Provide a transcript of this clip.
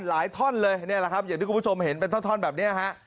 หลายท่อนเลยแบบนี้ล่ะครับเดี๋ยวดูผู้ชมเห็นเป็นท่อนแบปเนี้ยฮะ